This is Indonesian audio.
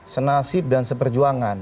senasib dan seperjuangan